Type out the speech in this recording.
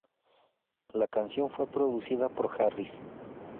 La canción fue producida por Harris.